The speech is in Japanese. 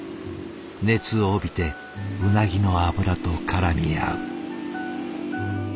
熱を帯びてうなぎの脂とからみ合う。